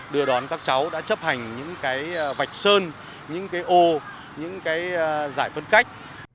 đưa đón các cháu đã chấp hành những cái vạch sơn những cái ô những cái giải phân cách